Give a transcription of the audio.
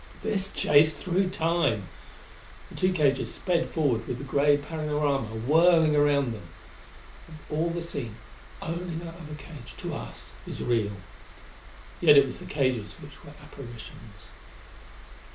This chase through Time! The two cages sped forward with the gray panorama whirling around them. Of all the scene, only that other cage, to us, was real. Yet it was the cages which were apparitions.